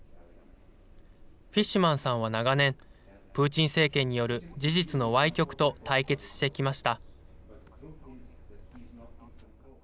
フィッシュマンさんは長年、プーチン政権による事実のわい曲と対決してきました。